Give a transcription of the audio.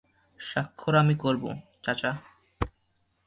স্বাক্ষর আমি করব, চাচা।